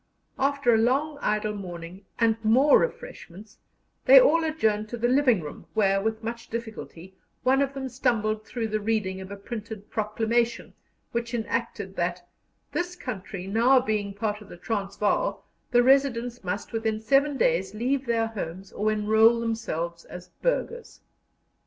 After a long idle morning and more refreshments, they all adjourned to the living room, where, with much difficulty, one of them stumbled through the reading of a printed proclamation, which enacted that "This country now being part of the Transvaal, the residents must within seven days leave their homes or enrol themselves as burghers."